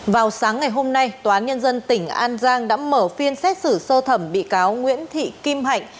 vào sáng ngày hôm nay tòa án nhân dân tỉnh an giang đã mở phiên xét xử sơ thẩm bị cáo nguyễn thị kim hạnh